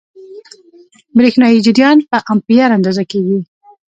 برېښنايي جریان په امپیر اندازه کېږي.